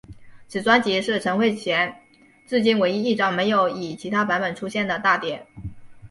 此专辑是陈慧娴至今唯一一张没有以其他版本出现的大碟。